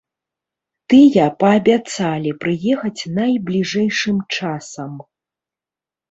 Тыя паабяцалі прыехаць найбліжэйшым часам.